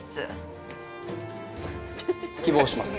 希望します！